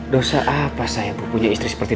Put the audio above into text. dosa apa saya bu punya istri seperti dia